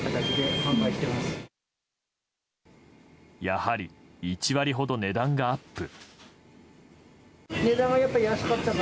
やはり、１割ほど値段がアップ。